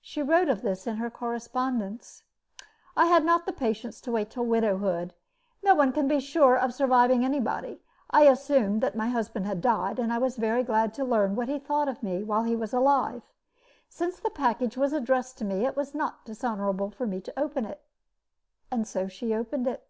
She wrote of this in her correspondence: I had not the patience to wait till widowhood. No one can be sure of surviving anybody. I assumed that my husband had died, and I was very glad to learn what he thought of me while he was alive. Since the package was addressed to me, it was not dishonorable for me to open it. And so she opened it.